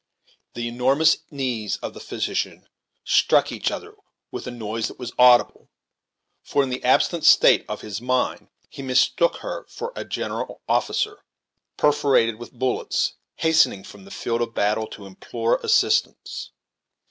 The enormous knees of the physician struck each other with a noise that was audible; for, in the absent state of his mind, he mistook her for a general officer, perforated with bullets, hastening from the field of battle to implore assistance.